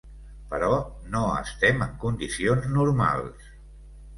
Però no estem en condicions normals.